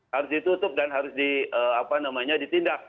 harus ditutup dan harus ditindak